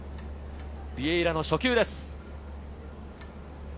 ビエイラの初球です。